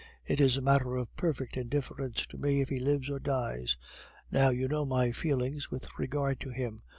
It is a matter of perfect indifference to me if he lives or dies. Now you know my feelings with regard to him.